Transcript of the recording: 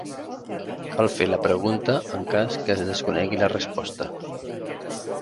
Cal fer la pregunta en cas que es desconegui la resposta.